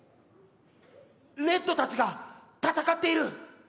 レッドたちが戦っている！